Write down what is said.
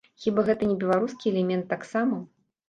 Хіба гэта не беларускі элемент таксама?